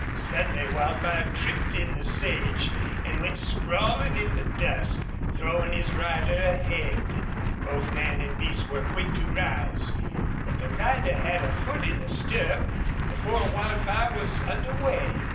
Suddenly Wildfire tripped in the sage, and went sprawling in the dust, throwing his rider ahead. Both man and beast were quick to rise, but the rider had a foot in the stirrup before Wildfire was under way.